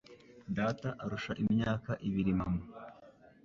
Data arusha imyaka ibiri mama.